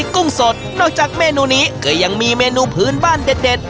กุ้งสดนอกจากเมนูนี้ก็ยังมีเมนูพื้นบ้านเด็ด